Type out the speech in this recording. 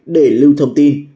để lưu thông tin